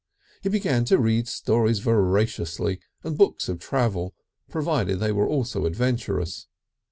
He began to read stories voraciously, and books of travel, provided they were also adventurous.